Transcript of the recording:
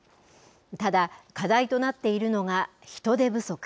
ただ、課題となっているのが人手不足。